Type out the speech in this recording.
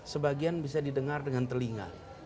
sebagian bisa didengar dengan telinga